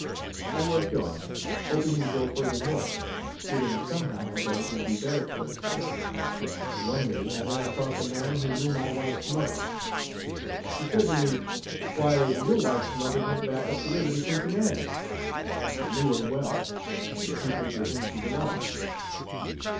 I worked on, hoping to go further north, feeling somehow that it would be better for us there; when, one day I ran across a man who knew my wife's mother. He said to me: "Why, your wife's mother went back up the river to Cincinnati. I knew her well and the people to whom she belonged.